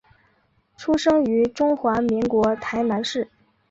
出生于中华民国台南市。